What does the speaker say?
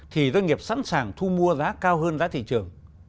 thì doanh nghiệp sẵn sàng thu mua giá cao hơn giá thị trường